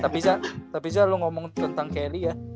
tapi jack tapi jack lu ngomong tentang kelly ya